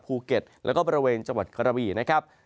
ภูเก็ตแล้วก็บริเวณจังหวัดกระบี่นะครับ